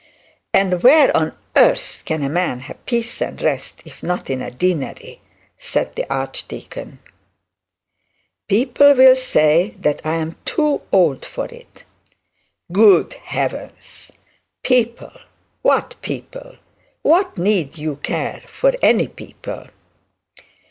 'And where on earth can a man have peace and rest if not in a deanery?' said the archdeacon. 'People will say I am too old for it.' 'Good heavens! What people? What need you care for any people?'